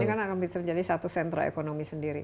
ini kan akan bisa menjadi satu sentra ekonomi sendiri